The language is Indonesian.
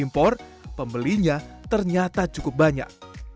pembelinya ternyata cukup banyak